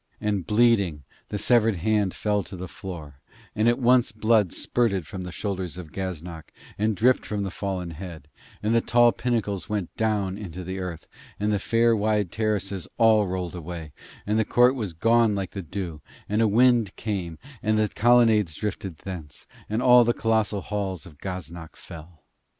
And bleeding, the severed hand fell to the floor; and at once blood spurted from the shoulders of Gaznak and dripped from the fallen head, and the tall pinnacles went down into the earth, and the wide fair terraces all rolled away, and the court was gone like the dew, and a wind came and the colonnades drifted thence, and all the colossal halls of Gaznak fell.